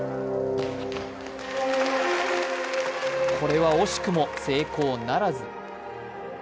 これは惜しくも成功ならず。